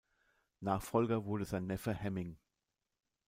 Nachfolger wurde sein Neffe Hemming.